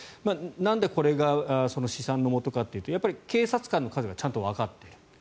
なんでこれが試算のもとかというとやっぱり警察官の数がちゃんとわかっている。